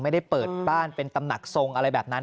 ไม่ได้เปิดบ้านเป็นตำหนักทรงอะไรแบบนั้น